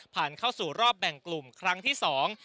ผ่านเข้าสู่รอบแบ่งกลุ่มครั้งที่สอง